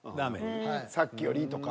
「さっきより」とか。